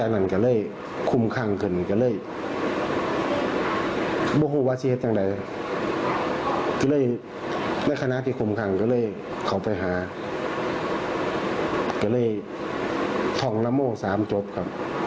น้ำโหสามจบค้ะ